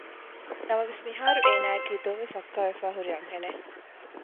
ނަމަވެސް މިހާރު އޭނާއަކީ ދޮންވެ ފައްކާވެފައި ހުރި އަންހެނެއް